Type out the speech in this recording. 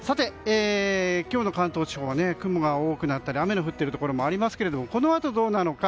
今日の関東地方は雲が多くなったり雨の降っているところもありますがこのあと、どうなのか。